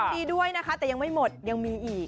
ดีด้วยนะคะแต่ยังไม่หมดยังมีอีก